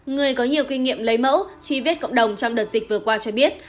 người có nhiều kinh nghiệm lấy mẫu truy vết cộng đồng trong đợt dịch vừa qua cho biết